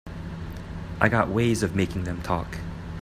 I got ways of making them talk.